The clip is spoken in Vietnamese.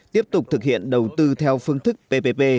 tiếp tục thực hiện đầu tư theo phương thức ppp